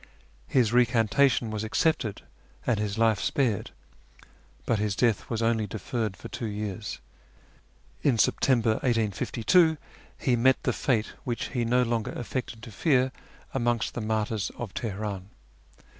His recantation was accepted and his life spared, but his death was only deferred for two years. In September 1852 he met the fate which he no longer affected to fear amongst the martyrs of Teheran.